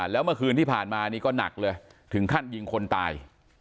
แล้วเมื่อคืนที่ผ่านมานี่ก็หนักเลยถึงขั้นยิงคนตาย